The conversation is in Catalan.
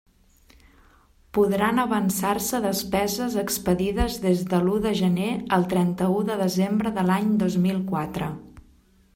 Podran avançar-se despeses expedides des de l'u de gener al trenta-u de desembre de l'any dos mil quatre.